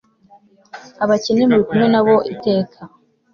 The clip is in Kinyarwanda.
abakene muri kumwe na bo iteka